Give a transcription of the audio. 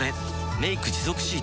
「メイク持続シート」